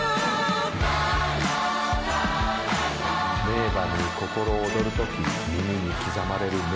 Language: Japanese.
名馬に心躍るとき胸に刻まれる名曲。